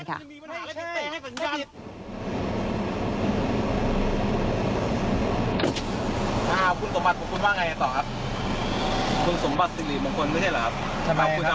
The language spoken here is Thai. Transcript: คุณสมบัติใช่ไหมครับคุณสมบัติสิริมงคลนะครับ